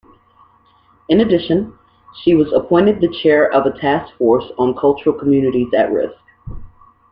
In addition, she was appointed the chair of a Task Force on Cultural Communities-at-Risk.